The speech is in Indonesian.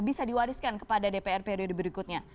bisa diwariskan kepada dpr periode berikutnya